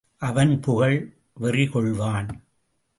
அவன் புகழ் வெறிகொள்வான்.